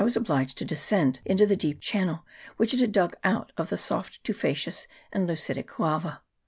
was obliged to descend into the deep channel which it had dug out of the soft tufaceous and leucitic lava.